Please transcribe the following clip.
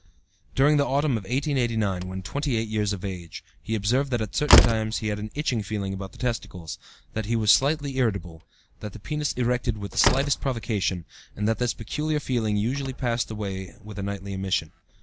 "During the autumn of 1889 (when 28 years of age) he observed that at certain times he had an itching feeling about the testicles; that he felt slightly irritable; that the penis erected with the slightest provocation, and that this peculiar feeling usually passed away with a nightly emission.